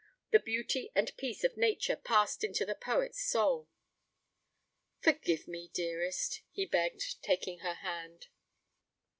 The beauty and peace of Nature passed into the poet's soul. 'Forgive me, dearest,' he begged, taking her hand.